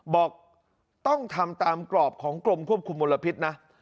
บอกต้องทำตามกรอบของกรมควบคุมมลพิษนะ